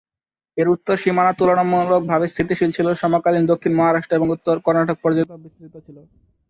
এর উত্তর সীমানা তুলনামূলকভাবে স্থিতিশীল ছিল, সমকালীন দক্ষিণ মহারাষ্ট্র এবং উত্তর কর্ণাটক পর্যন্ত বিস্তৃত ছিল।